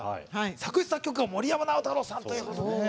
作詞・作曲が森山直太朗さんということで。